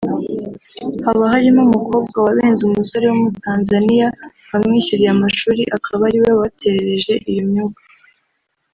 haba harimo umukobwa wabenze umusore w’umutanzaniya wamwishyuriye amashuri akaba ariwe wabaterereje iyo myuka